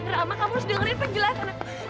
rama kamu harus dengerin penjelasan aku